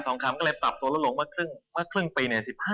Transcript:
ทองคำก็เลยปรับตัวลงมาครึ่งปี๑๕